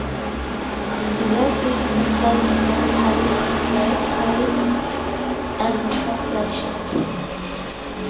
Desserts include flan, bread pudding, rice pudding, and tres leches.